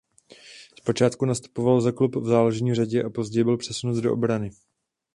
Zpočátku nastupoval za klub v záložní řadě a později byl přesunut do obrany.